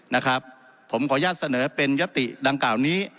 นะครับผมขออนุญาตเสนอเป็นยติดังกล่าวนี้